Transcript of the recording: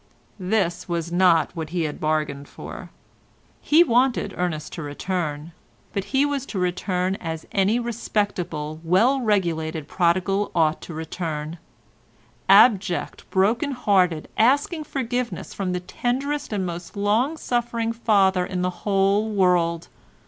This was not what he had bargained for. He wanted Ernest to return, but he was to return as any respectable, well regulated prodigal ought to return—abject, broken hearted, asking forgiveness from the tenderest and most long suffering father in the whole world.